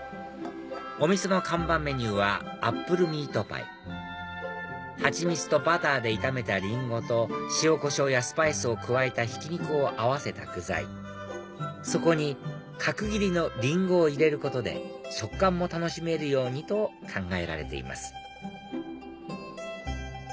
お店の看板メニューはアップルミートパイ蜂蜜とバターで炒めたリンゴと塩コショウやスパイスを加えたひき肉を合わせた具材そこに角切りのリンゴを入れることで食感も楽しめるようにと考えられています